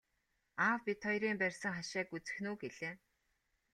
Аав бид хоёрын барьсан хашааг үзэх нь үү гэлээ.